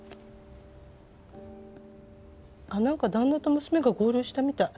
あっなんか旦那と娘が合流したみたい。